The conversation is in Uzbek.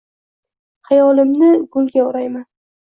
Xayolimni gulga o’rayman;